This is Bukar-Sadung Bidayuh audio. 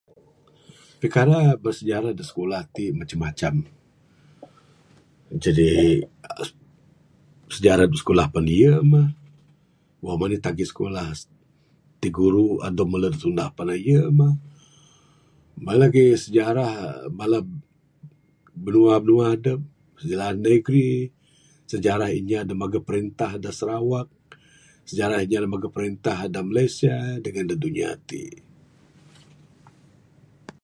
Perkara bersejarah da sikulah tik, macam macam. Jadi uhh sejarah da sikulah pan eyuk mah. Wang manih tagih sikulah, tiguru atau melu ne tundah pan eyuk mah. En lagik sejarah binua binua dup, sejarah negeri. Sejarah inya da maguh perintah da Sarawak. Sejarah inya da maguh perintah da Malaysia dengan da dunya tik.